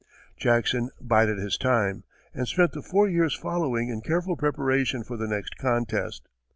Jackson bided his time, and spent the four years following in careful preparation for the next contest.